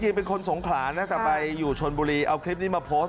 เป็นคนสงขลานะแต่ไปอยู่ชนบุรีเอาคลิปนี้มาโพสต์